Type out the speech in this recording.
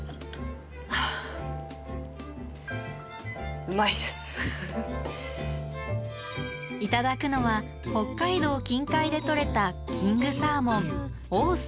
ああ頂くのは北海道近海でとれたキングサーモン大助。